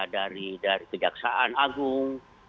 dari kejaksaan agung